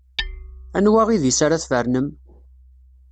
Anwa idis ara tfernem?